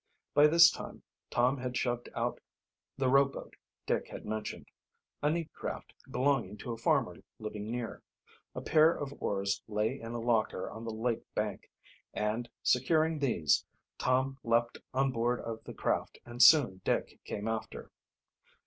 By this time Tom had shoved out the rowboat Dick had mentioned a neat craft belonging to a farmer living near. A pair of oars lay in a locker on the lake bank; and, securing these, Tom leaped on board of the craft, and soon Dick came after.